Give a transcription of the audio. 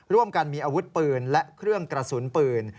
ร่วมกันมีอาวุธปืนและเครื่องกระสุนปืน